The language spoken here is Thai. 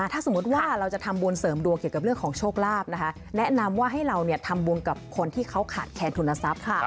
ถ้าสมมุติว่าเราจะทำบุญเสริมดวงเกี่ยวกับเรื่องของโชคลาภนะคะแนะนำว่าให้เราทำบุญกับคนที่เขาขาดแคนทุนทรัพย์ค่ะ